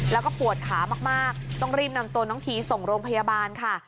แล้วก็ปวดขามากต้องรีบนำตัวน้องทีส่งโรงพยาบาลค่ะ